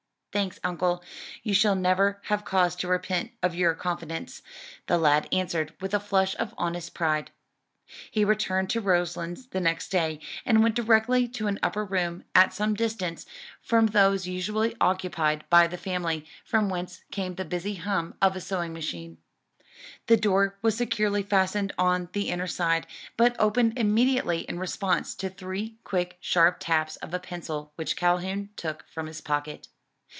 "Thanks, uncle, you shall never have cause to repent of your confidence," the lad answered with a flush of honest pride. He returned to Roselands the next day, and went directly to an upper room, at some distance from those usually occupied by the family, from whence came the busy hum of a sewing machine. The door was securely fastened on the inner side, but opened immediately in response to three quick, sharp taps of a pencil which Calhoun took from his pocket.